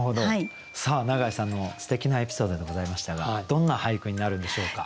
さあ永井さんのすてきなエピソードでございましたがどんな俳句になるんでしょうか。